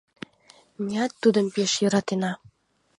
Меат тудым пеш йӧратена.